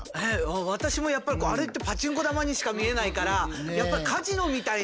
私もやっぱりあれってパチンコ玉にしか見えないからあ！